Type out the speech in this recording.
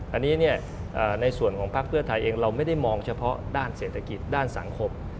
อันนี้ในส่วนของพักเพื่อไทยเองเราไม่ได้มองเฉพาะด้านเศรษฐกิจด้านสังคม